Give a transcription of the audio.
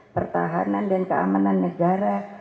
pertahanan dan keamanan negara